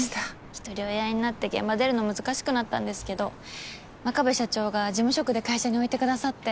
ひとり親になって現場出るの難しくなったんですけど真壁社長が事務職で会社に置いてくださって。